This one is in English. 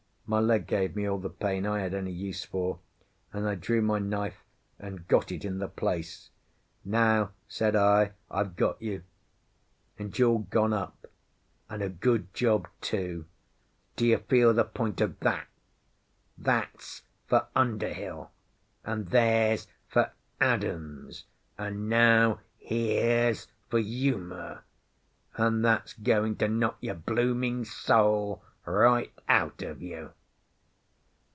My leg gave me all the pain I had any use for, and I drew my knife and got it in the place. "Now," said I, "I've got you; and you're gone up, and a good job too! Do you feel the point of that? That's for Underhill! And there's for Adams! And now here's for Uma, and that's going to knock your blooming soul right out of you!"